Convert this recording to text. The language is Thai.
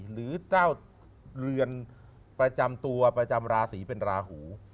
หรือเจ้าเรือนประจำตัวประจำราศีเป็นราหู